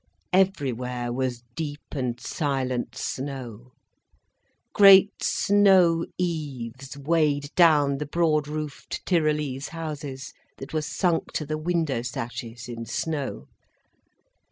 Everywhere was deep and silent snow. Great snow eaves weighed down the broad roofed Tyrolese houses, that were sunk to the window sashes in snow.